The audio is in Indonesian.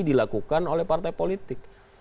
dilakukan oleh partai politik